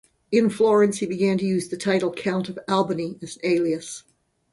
In Florence he began to use the title "Count of Albany" as an alias.